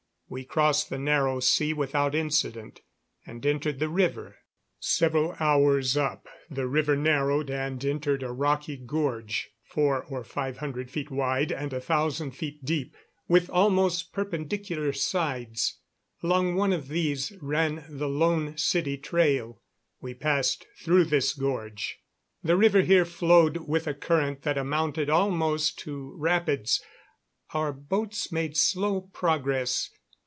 We crossed the Narrow Sea without incident and entered the river. Several hours up, the river narrowed and entered a rocky gorge, four or five hundred feet wide and a thousand feet deep, with almost perpendicular sides. Along one of these ran the Lone City trail. We passed through this gorge. The river here flowed with a current that amounted almost to rapids. Our boats made slow progress.